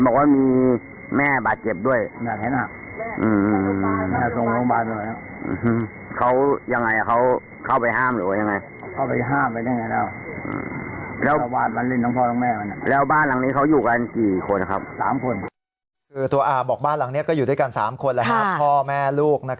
คือตัวอาบอกบ้านหลังนี้ก็อยู่ด้วยกัน๓คนพ่อแม่ลูก